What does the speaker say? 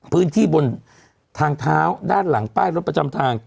พื้นที่บนทางเท้าด้านหลังป้ายรถประจำทาง